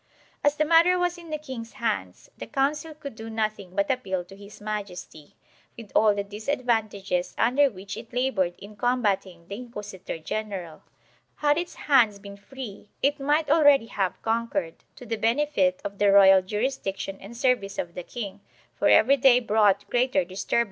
As the matter was in the king's hands, the Council could do nothing but appeal to his majesty, with all the disadvantages under which it labored in combating the inquisitor general ; had its hands been free it might already have conquered, to the benefit of the royal jurisdiction and service of the king, for every day brought greater disturbance to the Republic.